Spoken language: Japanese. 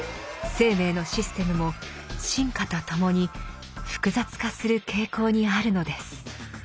生命のシステムも進化とともに複雑化する傾向にあるのです。